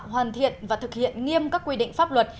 hoàn thiện và thực hiện nghiêm các quy định pháp luật